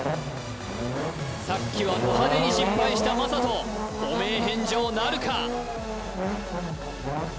さっきはド派手に失敗した魔裟斗汚名返上なるか？